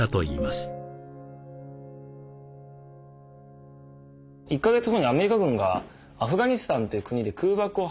１か月後にアメリカ軍がアフガニスタンという国で空爆を始めてたんですよね。